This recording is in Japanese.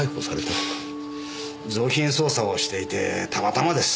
贓品捜査をしていてたまたまです。